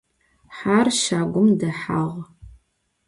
Her şagum dehağ.